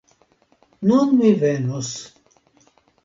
Nun mi venos!